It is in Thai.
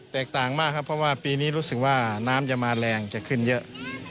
ต่างมากครับเพราะว่าปีนี้รู้สึกว่าน้ำจะมาแรงจะขึ้นเยอะ